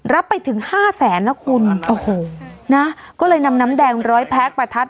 รับไปถึงห้าแสนนะคุณโอ้โหนะก็เลยนำน้ำแดงร้อยแพ็คประทัด